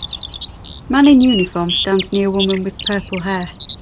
Man in uniform stands near woman with purple hair.